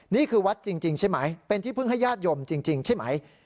นี่คือวัดจริงใช่ไหมเป็นที่พึ่งให้ญาติโยมจริงใช่ไหม